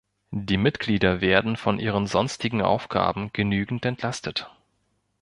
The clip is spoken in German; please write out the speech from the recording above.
Die Mitglieder werden von ihren sonstigen Aufgaben genügend entlastet.